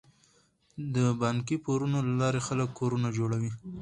د بانکي پورونو له لارې خلک کورونه جوړوي.